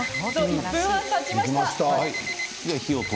１分半たちました。